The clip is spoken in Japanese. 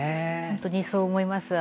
本当にそう思います。